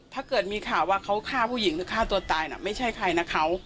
ถ้าเกิดมีข่าวว่าเขาฆ่าผู้หญิงหรือฆ่าตัวตายน่ะไม่ใช่ใครนะเขา